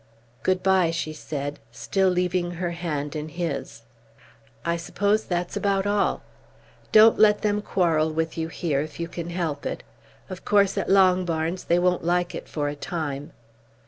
"Good bye," she said, still leaving her hand in his. "I suppose that's about all. Don't let them quarrel with you here if you can help it. Of course at Longbarns they won't like it for a time.